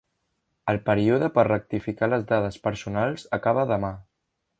El període per rectificar les dades personals acaba demà.